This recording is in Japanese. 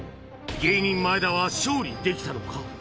芸人・前田は勝利できたのか？